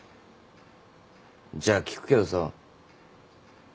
じゃあ聞くけどさ。